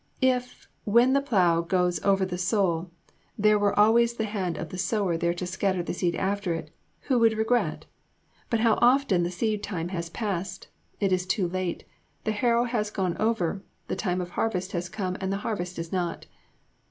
If, when the plough goes over the soul, there were always the hand of the Sower there to scatter the seed after it, who would regret? But how often the seed time has passed, it is too late, the harrow has gone over, the time of harvest has come and the harvest is not....